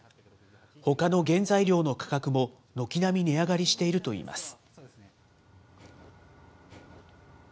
ほかの原材料の価格も軒並み値上がりしているといいます。